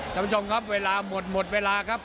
ท่านผู้ชมครับเวลาหมดหมดเวลาครับ